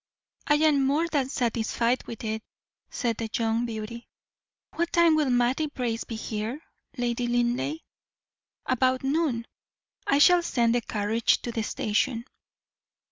"I am more than satisfied with it," said the young beauty, "What time will Mattie Brace be here, Lady Linleigh?" "About noon. I shall send the carriage to the station."